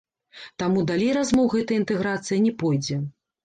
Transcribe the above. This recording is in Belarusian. Таму далей размоў гэтая інтэграцыя не пойдзе.